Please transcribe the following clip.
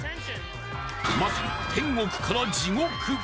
まさに、天国から地獄。